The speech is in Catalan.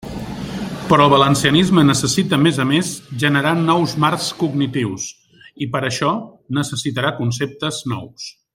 Però el valencianisme necessita a més a més generar nous marcs cognitius, i per això necessitarà conceptes nous.